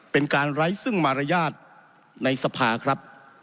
เป็นการไร้ซึ่งมารยาทในสภาครับ